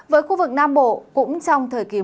với khu vực nam bộ cũng trong thời kỳ